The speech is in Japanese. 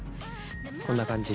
こんな感じに。